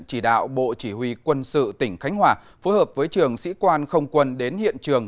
chỉ huy quân sự tỉnh khánh hòa phối hợp với trường sĩ quan không quân đến hiện trường